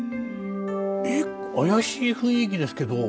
えっ怪しい雰囲気ですけど。